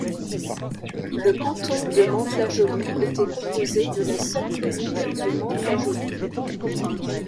Le canton de Mantes-la-Jolie était composé de la seule commune de Mantes-la-Jolie.